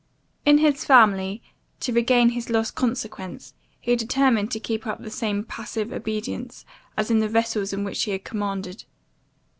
In his family, to regain his lost consequence, he determined to keep up the same passive obedience, as in the vessels in which he had commanded.